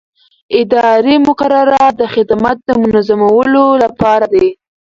اداري مقررات د خدمت د منظمولو لپاره دي.